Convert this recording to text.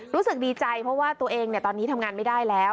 รู้สึกดีใจเพราะว่าตัวเองตอนนี้ทำงานไม่ได้แล้ว